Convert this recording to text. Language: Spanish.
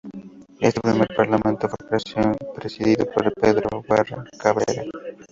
Este primer parlamento fue presidido por Pedro Guerra Cabrera.